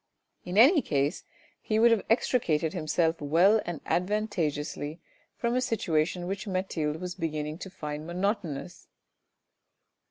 In any case he would have extricated himself well and advantageously from a situation which Mathilde was beginning to find monotonous.